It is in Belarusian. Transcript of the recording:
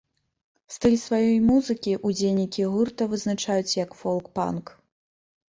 Стыль сваёй музыкі ўдзельнікі гурта вызначаюць як фолк-панк.